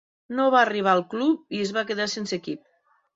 No va arribar al club i es va quedar sense equip.